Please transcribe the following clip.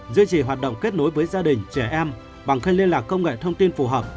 duy trì hoạt động kết nối với gia đình trẻ em bằng khen liên lạc công nghệ thông tin phù hợp